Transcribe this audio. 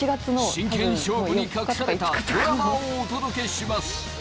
真剣勝負に隠されたドラマをお届けします。